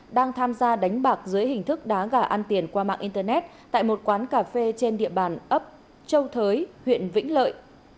một nhóm đối tượng tham gia đánh bạc dưới hình thức đá gà ăn tiền qua mạng internet tại một quán cà phê trên địa bàn ấp châu thới huyện vĩnh lợi